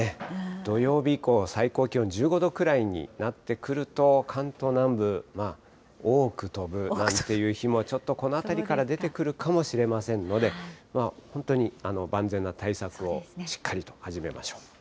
土曜日以降は最高気温１５度くらいになってくると、関東南部、多く飛ぶなんていう日もちょっとこのあたりから出てくるかもしれませんので、本当に万全な対策をしっかりと始めましょう。